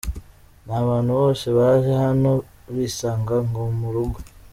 N’abantu bose baje hano bisanga nko mu rugo".